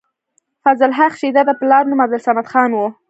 فضل حق شېدا د پلار نوم عبدالصمد خان وۀ